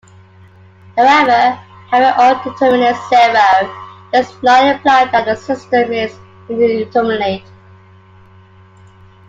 However, having all determinants zero does not imply that the system is indeterminate.